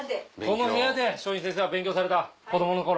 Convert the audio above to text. この部屋で松陰先生は勉強された子供の頃。